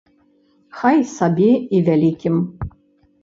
Хай сабе і вялікім.